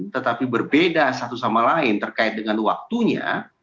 tetapi berbeda satu sama lain terkait dengan waktunya